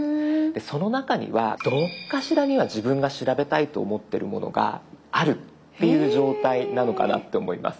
その中にはどっかしらには自分が調べたいと思ってるものがあるっていう状態なのかなって思います。